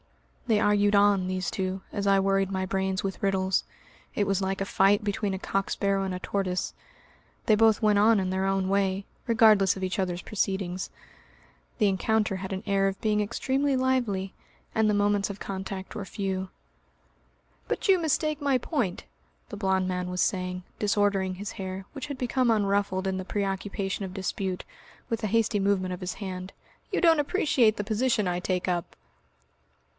(They argued on, these two, as I worried my brains with riddles. It was like a fight between a cock sparrow and a tortoise; they both went on in their own way, regardless of each other's proceedings. The encounter had an air of being extremely lively, and the moments of contact were few. "But you mistake my point," the blond man was saying, disordering his hair which had become unruffled in the preoccupation of dispute with a hasty movement of his hand, "you don't appreciate the position I take up.")